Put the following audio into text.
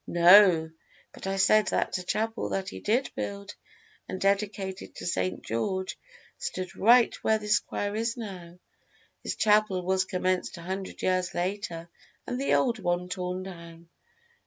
"No; but I said that the chapel that he did build and dedicated to St. George stood right where this choir is now. This chapel was commenced a hundred years later, and the old one torn down."